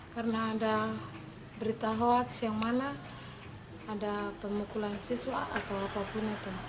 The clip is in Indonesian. karena ada berita hoax yang mana ada pemukulan siswa atau apapun itu